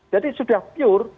jadi sudah pure